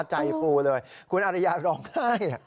ฟูเลยคุณอาริยาร้องไห้